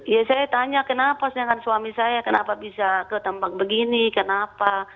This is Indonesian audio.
ya saya tanya kenapa dengan suami saya kenapa bisa ketempat begini kenapa